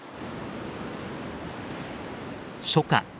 初夏。